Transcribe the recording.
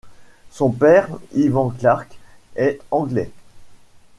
Son père, Ivan Clark, est anglais.